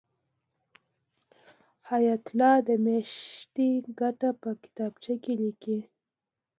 حیات الله د میاشتې ګټه په کتابچه کې لیکله.